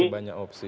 masih banyak opsi